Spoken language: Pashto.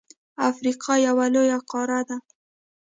افریقا یو لوی قاره ده.